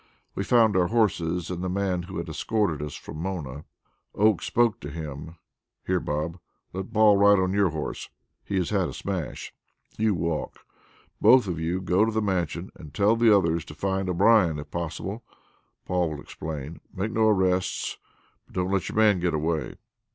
We found our horses and the man who had escorted us from Mona. Oakes spoke to him: "Here, Bob, let Paul ride on your horse; he has had a smash. You walk. Both of you go to the Mansion and tell the others to find O'Brien, if possible. Paul will explain. Make no arrests, but don't let your man get away."